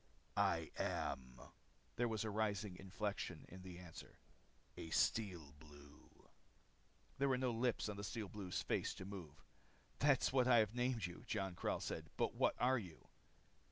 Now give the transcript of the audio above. "I am" there was a rising inflection in the answer "a Steel Blue." There were no lips on the Steel Blue's face to move. "That is what I have named you," Jon Karyl said. "But what are you?"